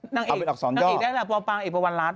นางเอกนางเอกได้แหละปอปลาอ่างเอกปอวันรัฐ